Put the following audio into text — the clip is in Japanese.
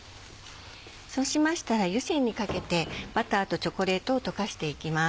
そうしましたら湯煎にかけてバターとチョコレートを溶かしていきます。